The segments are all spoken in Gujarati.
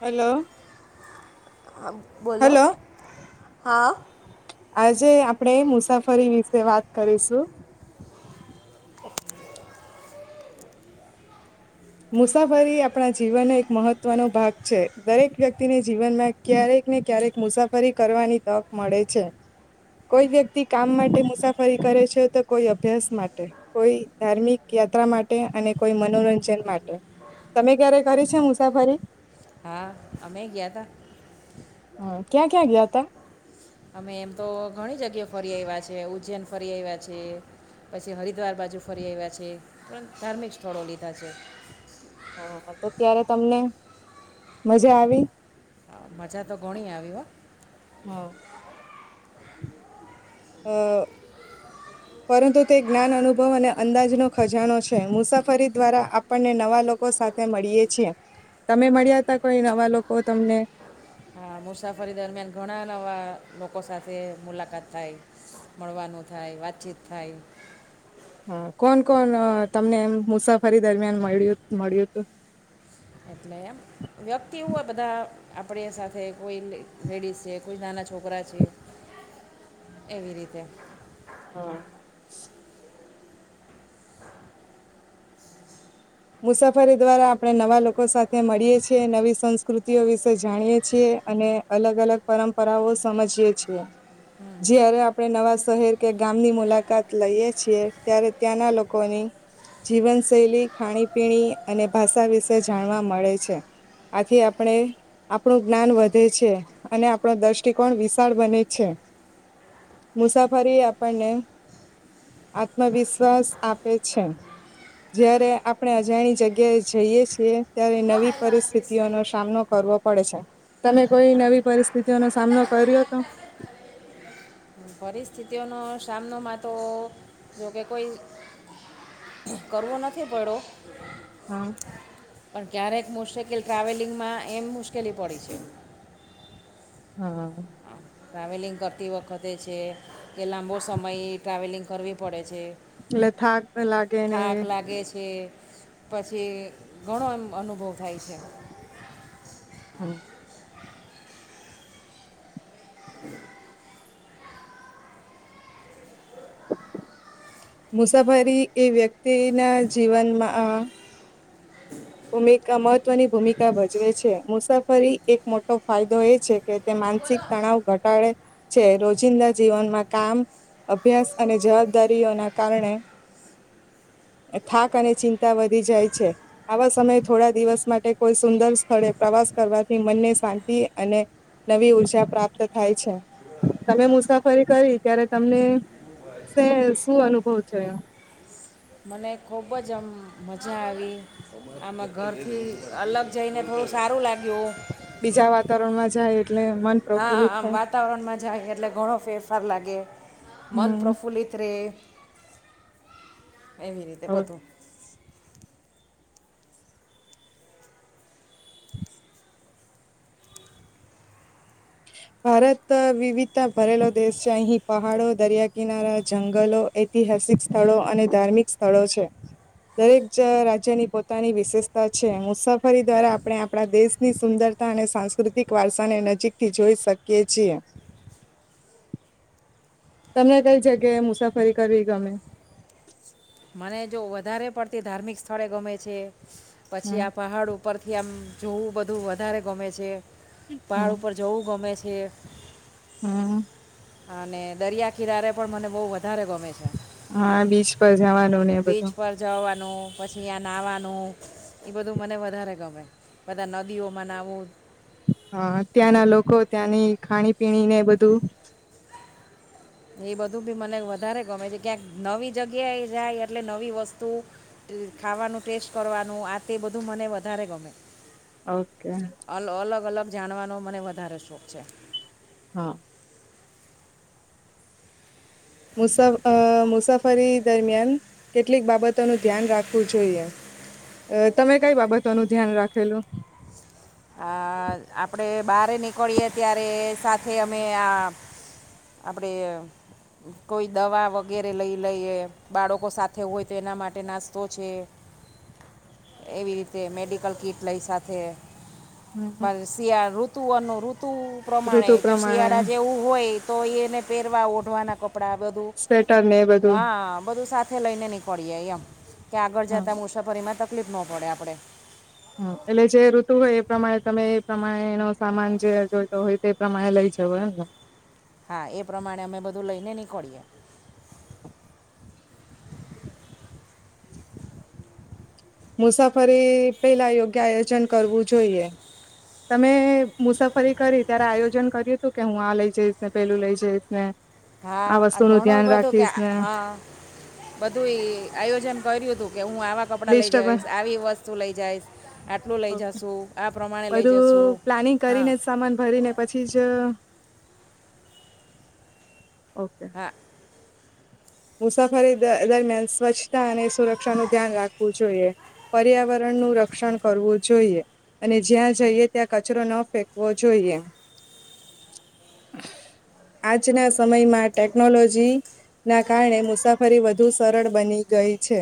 હેલો. હા, બોલો. હેલો હા. આજે આપણે મુસાફરી વિશે વાત કરીશું. મુસાફરી આપણા જીવનનો એક મહત્વનો ભાગ છે દરેક વ્યક્તિને જીવનમાં ક્યારેક ને ક્યારેક મુસાફરી કરવાની તક મળે છે કોઈ વ્યક્તિ કામ માટે મુસાફરી કરે છે તો કોઈ અભ્યાસ માટે, કોઈ ધાર્મિક યાત્રા માટે અને કોઈ મનોરંજન માટે. તમે ક્યારે કરી છે મુસાફરી? હા અમે ગયાતા હમ્મ, ક્યાં ક્યાં ગયાંતા? અમે એમ તો ઘણી જગ્યા ફરી આવ્યા છે ઉજ્જૈન ફરી આવ્યા છે પછી હરિદ્વાર બાજુ ફરી આવ્યા છે પણ ધાર્મિક સ્થળો લીધા છે. હા તો ત્યારે તમને મજા આવી? મજા તો ઘણી આવી હો. હ. અ પરંતુ તે જ્ઞાન અનુભવ અને અંદાજનો ખજાનો છે મુસાફરી દ્વારા આપણને નવા લોકો સાથે મળીએ છીએ તમે મળ્યા હતા કોઈ નવા લોકો તમને? આ મુસાફરી દરમિયાન ઘણા નવા લોકો સાથે મુલાકાત થાય મળવાનું થાય વાતચીત થાય. હા, કોણ કોણ તમને એમ મુસાફરી દરમિયાન મળય મળ્યું હતું? એટલે એમ વ્યક્તિ હોય બધા આપણી સાથે કોઈ લેડીઝ છે કોઈ નાના છોકરા છે એવી રીતે. હા. મુસાફરી દ્વારા આપણે નવા લોકો સાથે મળીએ છીએ, નવી સંસ્કૃતિઓ વિશે જાણીએ છીએ અને અલગ અલગ પરંપરાઓ સમજીએ છીએ જ્યારે આપણે નવા શહેર કે ગામની મુલાકાત લઈએ છીએ ત્યારે ત્યાંના લોકોની જીવનશૈલી ખાણી પીણી અને ભાષા વિશે જાણવા મળે છે આથી આપણે આપણું જ્ઞાન વધે છે અને આપણો દ્રષ્ટિકોણ વિશાળ બને છે. મુસાફરી આપણને આત્મવિશ્વાસ આપે છે જ્યારે આપણે અજાણી જગ્યાએ જઈએ છીએ ત્યારે બહુ નવી હાયલો આર્ટિસ્ટ નહીં પરિસ્થિતિઓનો સામનો કરવો પડે છે. તમે કોઈ નવી પરિસ્થિતિઓનોો સામનો કર્યો તો? પરિસ્થિતિઓનો સામનોમાં તો જોકે કોઈ કરવો નથી પડ્યો. હા પણ ક્યારેક મુશકે કે ટ્રાવેલિંગમાં એમ મુશ્કેલી પડી છે. હા. ટ્રાવેલિંગ કરતી વખતે છે કે લાંબો સમય ટ્રાવેલિંગ કરવી પડે છે. એટલે થાક લાગે ને થાક લાગે છે પછી ઘણો એમ અનુભવ થાય છે. હમ. મુસાફરી એ વ્યક્તિના જીવનમાં આ ભૂમિકા મહત્વની ભૂમિકા ભજવે છે. મુસાફરી એક મોટો ફાયદો એ છે કે તે માનસિક તણાવ ઘટાડે છે રોજિંદા જીવનમાં કામ અભ્યાસ અને જવાબદારીઓના કારણે થાક અને ચિંતા વધી જાય છે આવા સમયે થોડા દિવસ માટે કોઈ સુંદર સ્થળે પ્રવાસ કરવાથી મનને શાંતિ અને નવી ઊર્જા પ્રાપ્ત થાય છે. તમે મુસાફરી કરી ત્યારે તમને શું અનુભવ થ મને ખુબ જ આમ મજા આવી આમાં ઘરથી અલગ જઈને થોડું સારું લાગ્યું. બીજા વાતાવરણમાં જાય એટલે મન હા પ્રફુલ્લિત આમ થાય વાતાવરણમાં જાય એટલે ઘણો ફેરફાર લાગે મન હમ પ્રફુલ્લિત રહેે એવી રીતે ઓકે. બધું ભારત વિવિધતા ભરેલો દેશ છે અહીં પહાડો દરિયા કિનારા જંગલો ઐતિહાસિક સ્થળો અને ધાર્મિક સ્થળો છે દરેક રાજ્યની પોતાની વિશેષતા છે મુસાફરી દ્વારા આપણે આપણા દેશની સુંદરતા અને સાંસ્કૃતિક વારસાને નજીક થી જોઈ શકીએ છીએ. તમને કઈ જગ્યાએ મુસાફરી કરવી ગમે. મને જો વધારે પડતી ધાર્મિક સ્થળે ગમે છે. પછી હમ આ પહાડ ઉપર ઉપરથી આમ જોવું બધું વધારે ગમે છે. પહાડ હમ ઉપર જવું ગમે છે. હ. હમ. અને દરિયા કિનારે પણ મને બહ વધુ વધારે ગમે છે. હા બીચ પર જવાનું ને એ બીચ બધું પર જવાનું પછી આ નાહવાનું એ બધું મને વધારે ગમે બધા નદીઓમાં નાવું હા ત્યાંના લોકો ત્યાંની ખાણી પીણીને બધું એ બધું બી મને વધારે ગમે છે ક્યાંક નવી જગ્યા જાય એટલે નવી વસ્તુ ખાવાનું ટેસ્ટ કરવાનું આ તે બધું મને વધારે ગમે ઓકે અલ અલગ અલગ જાણવાનો મને વધારે શોખ છે. હા. મુસા અ મુસાફરી દરમિયાન કેટલીક બાબતોનું ધ્યાન રાખવું જોઈએ? તમે કઈ બાબતો નું ધ્યાન રાખેલું. મળીએ ત્યારે સાથે અમે આ આપણે કોઈ દવા વગેરે લઈ લઈએ બાળકો સાથે હોય તો એના માટે નાસ્તો છે એવી રીતે મેડિકલ કીટ લઈ સાથે બ હમ્મ. શિયા ઋતુનુંઋતુ તું પ્રમાણે ઋતુ જો શિયાળા પ્રમાણે જેવું હોય તો એને પહેરવા ઓ રોવા ના ડા બધું સ્વેટર ને એ બધું. હા બધું સાથે લઈને નીકળીયે એમ કે આગળ હા જતા મુસાફરીમાં ત તકલીફ ન પડે આપણે હ એટલે જે ઋતુ હોય એ પ્રમાણે તમે એ પ્રમાણેનો એ સામાન જે જોઈતો હોય તે એ પ્રમાણે લઈ જવો એમ ને. હા એ પ્રમાણે અમે બધું લઈને નીકળીએ. [inaudible] મુસાફરી પેલા યોગ્ય આયોજન કરવું જોઈએ તમે મુસાફરી કરી ત્યારે આયોજન કર્યું હતું કે હું આ લઈ જઈશ ને પેલું લઈ જઈશ ને હા આ વસ્તુનું ઘણું ધ્યાન બધું કે રાખીશ ને હા બધું આયોજન કર્યું હતું. કે હું આવાં કપડાં લઈ લિસ્ટ જઈશ આવી વસ્તુ લઈ જઈશ આટલું લઈ ઓકે. જશું આ પ્રમાણે લઈ બધું જશું પ્લાનિંગ હા. કરીને જ સામાન ભરીને પછી જ ઓકે. હા મુસાફરી દરમિયાન સ્વચ્છતા અને સુરક્ષાનું ધ્યાન રાખવું જોઈએ પર્યાવરણનું રક્ષણ કરવું જોઈએ, અને જ્યાં જઈએ, ત્યાં કચરો ન ફેકવો જોઈએ, આજના સમયમાં ટેકનોલોજી ના કારણે મુસાફરી વધુ સરળ બની ગઈ છે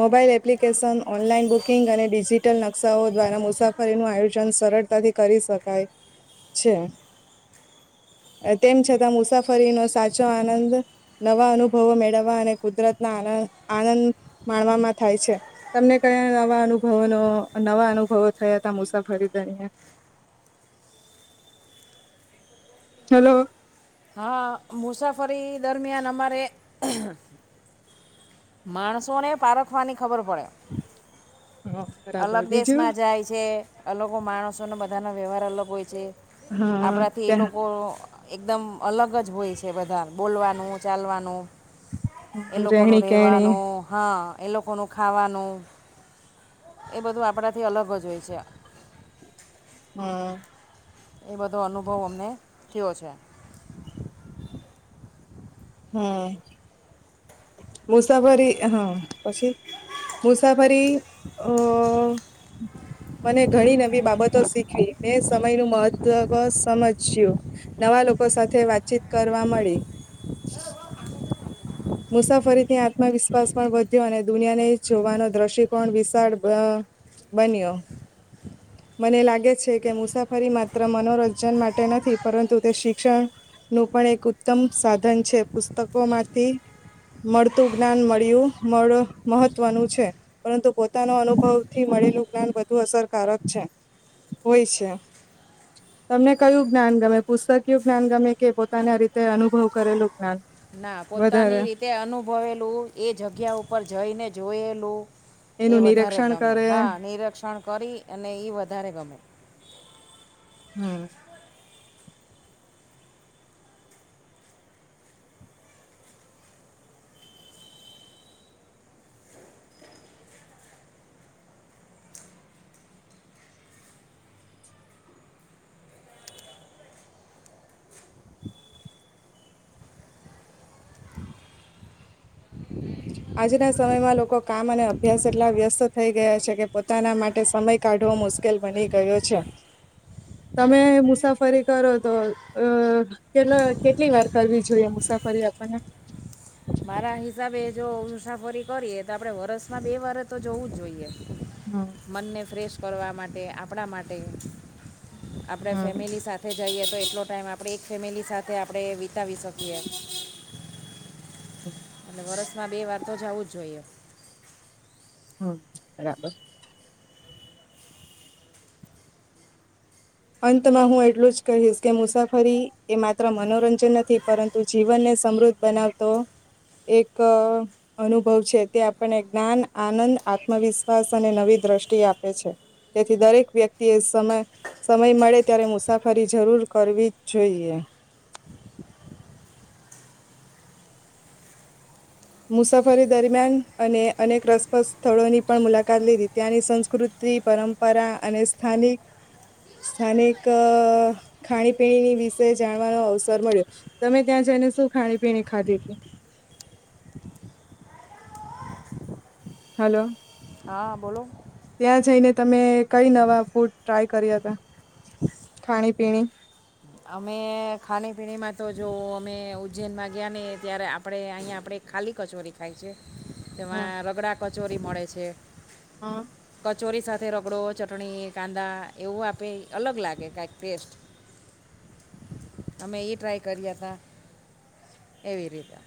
મોબાઈલ એપ્લિકેશન ઓનલાઈન બુકિંગ અને ડિજીિટલ નકશાઓ દ્વારા મુસાફરીનું આયોજન સરળતાથી કરી શકાય છે તેમ છતાં મુસાફરીનો સાચો આનંદ નવા અનુભવો મેળવવા અને કુદરતના આન આનંદ માણવામાં થાય છે તમને કયા નવા અનુભવોનો નવા અનુભવો થયા હતા મુસાફરી દરિયાન? હલો. હા મુસાફર દરમિયાન અમારે [inaudible] માણસો ને પારખવાની ખબર પડે. હા બરાબર અલગ બીજું દેશમાં જાય છે અલગ માણસોને બધાના વ્યવહાર અલગ હોય છે. હા આપણાથી એ ત્યા લોકો એકદમ અલગ જ હોય છે બધા બોલવાનું ચાલવાનું એ ત્યાં લોકો નું રહેણી કેણી રહેવાનું હા. એ લોકોનું ખાવાનું. એ બધું આપણાથી અલગ જ હોય છે. હમ. એ બધો અનુભવ અમને થયો છે. હમ. મુસાફરી હા પછી મુસાફરી અ મને ઘણી નવી બાબતો શીખવી મેં સમયનું મહત્વ સમજ્યું નવા લોકો સાથે વાતચીત કરવા મળી. મુસાફરીથી આત્મવિશ્વાસ પણ વધ્યો અને દુનિયાને જોવાનો દ્રષ્ટિકોણ વિશાળ બન્યો મને લાગે છે કે મુસાફરી માત્ર મનોરંજન માટે નથી પરંતુ તે શિક્ષણનું પણ એક ઉત્તમ સાધન છે પુસ્તકોમાંથી મળતું જ્ઞાન મળ્યું મળ મહત્વનું છે પરંતુ પોતાનો અનુભવ થી મળેલું જ્ઞાન વધુ અસરકારક છે હોય છે તમને કયું જ્ઞાન ગમે પુસ્તકયું જ્ઞાન ગમે કે પોતાના રીતે અનુભવ કરેલું જ્ઞાન ના પો પોતાની વધારે રીતે અનુભવેલું એ જગ્યા ઉપર જઈને જોયેલું એ એનું વધારે નિરીક્ષણ ગમે કરે હા નિરીક્ષણ કરી અને ઈ વધારે ગમે. હમ આજના સમયમાં લોકો કામ અને અભ્યાસ એટલા વ્યસ્ત થઈ ગયા છે કે પોતાના માટે સમય કાઢવો મુશ્કેલ બની ગયો છે તમે મુસાફરી કરો તો અ કે કેટલી વાર કરવી જોઈએ મુસાફરી આપણને મારા હિસાબે જો મુસાફરી કરીએ તો આપડે વરસમાં બે વાર તો જોવું જ જોઈએ. હમ મનને ફ્રેશ કરવા માટે આપણા માટે આપડા હમ ફેમિલી સાથે જ જઈએ તો એટલો ટાઈમ આપણે એક ફેમિલી સાથે આપણે વિતાવી શકીએ. એટલે વર્ષમાં બે વાર તો જવું જ જોઈએ. હમ બરાબર અંતમાં હું એટલું જ કહીશ કે મુસાફરી એ માત્ર મનોરંજન નથી પરંતુ જીવનને સમૃદ્ધ બનાવતો એક અનુભવ છે તે આપણને જ્ઞાન આનંદ આત્મવિશ્વાસ અને નવી દ્રષ્ટિ આપે છે તેથી દરેક વ્યક્તિ એ સમ સમય મળે ત્યારે મુસાફરી જરૂર કરવી જ જોઈએ. મુસાફરી દરમિયાન અને અનેક રસપ્રદ સ્થળોની પણ મુલાકાત લીધી ત્યાંની સંસ્કૃતિ પરંપરા અને સ્થાનિક સ્થાનિક અ ખાણીપીણીની વિષે જાણવાનો અવસર મળ્યો તમે ત્યાં જઈને શું ખાણીપીણી ખાધી હતી. હલો હા બોલો ત્યાં જઈને તમે કઈ નવા ફૂડ ટ્રાય કર્યા હતા ખાણી પીણી અમે ખાણીપીણીમાં તો જો અમે ઉજ્જૈનમાં ગયા ને ત્યારે આપણે અહીંયા આપણે ખાલી કચોરી ખાય છે. તેમાં રગડા કચોરી મળે છે. હા કચોરી સાથે રગડો ચટણી કાંદા એવું આપે અલગ લાગે કંઈક ટેસ્ટ અમે ઈ ટ્રાય કર્યા હતા એવી રીતે